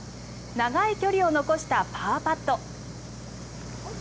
長い距離を残したパーパット。